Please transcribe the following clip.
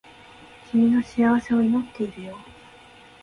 君の幸せを祈っているよ